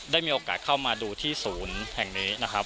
ได้มีโอกาสเข้ามาดูที่ศูนย์แห่งนี้นะครับ